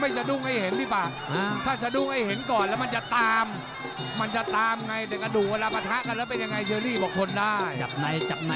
เจาะยางมันติดบังตลอดนะ